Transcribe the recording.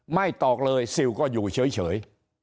ไม่ตอกเลยสิวก็อยู่เฉย